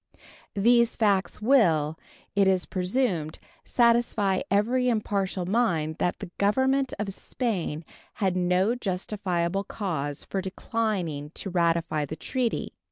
These facts will, it is presumed, satisfy every impartial mind that the Government of Spain had no justifiable cause for declining to ratify the treaty.